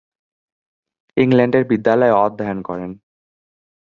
ইংল্যান্ডের বিদ্যালয়ে অধ্যয়ন করেন।